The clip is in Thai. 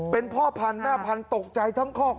เป็นพ่อพันธุ์แม่พันธุ์ตกใจทั้งคอก